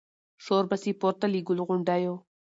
شور به سي پورته له ګل غونډیو